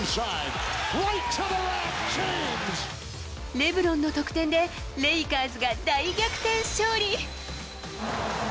レブロンの得点で、レイカーズが大逆転勝利。